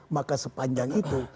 maka sepanjang itu